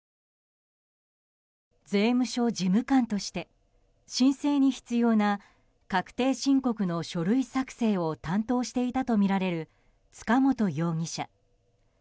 税務署事務官として申請に必要な確定申告の書類作成を担当していたとみられる塚本容疑者。